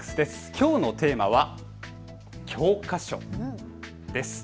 きょうのテーマは教科書です。